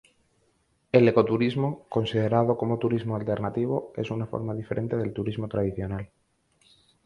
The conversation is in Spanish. El ecoturismo, considerado como turismo alternativo, es una forma diferente del turismo tradicional.